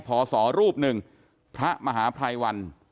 พอสอรูปหนึ่งพระมหาไพรวัล